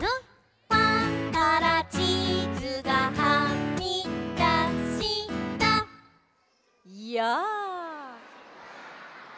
「パンからチーズがはみだしたやあ」